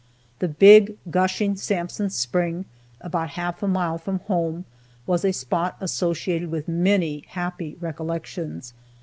The big, gushing Sansom Spring, about half a mile from home, was a spot associated with many happy recollections.